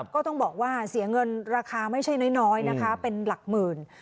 ก็ต้องบอกว่าเสียเงินราคาไม่ใช่น้อยนะคะเป็นหลักหมื่น